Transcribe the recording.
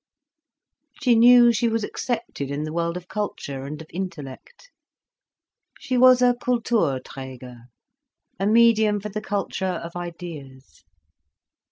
She knew she was accepted in the world of culture and of intellect. She was a Kulturträger, a medium for the culture of ideas.